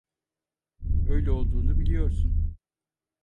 Öyle olduğunu biliyorsun.